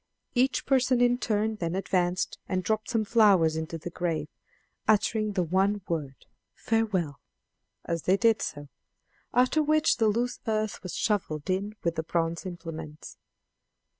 Each person in turn then advanced and dropped some flowers into the grave, uttering the one word "Farewell" as they did so; after which the loose earth was shoveled in with the bronze implements.